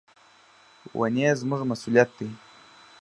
ونې زموږ مسؤلیت دي.